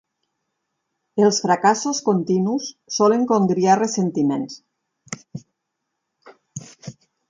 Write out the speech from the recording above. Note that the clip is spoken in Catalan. Els fracassos continus solen congriar ressentiments.